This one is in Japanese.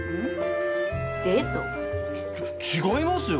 ちち違いますよ！